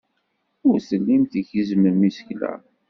Ur tellim tgezzmem isekla.